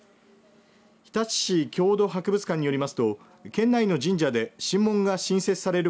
日立市郷土博物館によりますと県内の神社で神門が新設される